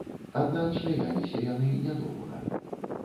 Аднак смяяліся яны нядоўга.